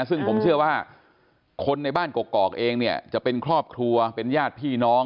ซึ่งผมเชื่อว่าคนในบ้านกอกเองเนี่ยจะเป็นครอบครัวเป็นญาติพี่น้อง